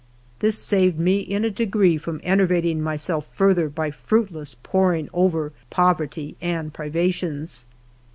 This saved me in a degree from enervating myself further by fruitless poring over poverty and privations.